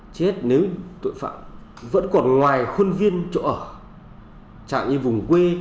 chết nếu tội phạm vẫn còn ngoài khuôn viên chỗ ở chạy như vùng quê